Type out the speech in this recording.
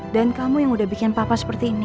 dan kamu yang udah bikin papa seperti ini